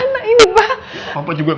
gak ada teman semula